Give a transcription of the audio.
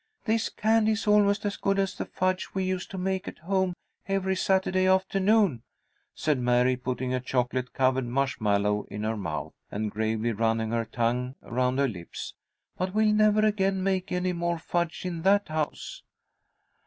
"This candy is almost as good as the fudge we used to make at home every Saturday afternoon," said Mary, putting a chocolate covered marshmallow in her mouth, and gravely running her tongue around her lips. "But we'll never again make any more fudge in that house."